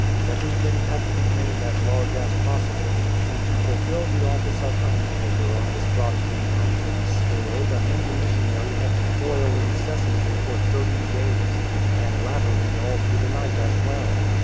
Everything had to be made as large as possible, and to fulfil the office of undertaker on this Brobdingnagian scale the handy missionary had to toil incessantly for thirty days, and latterly all through tlie night as well.